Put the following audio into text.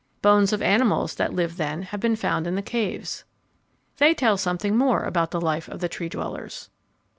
Bones of animals that lived then have been found in the caves. They tell something more about the life of the Tree dwellers.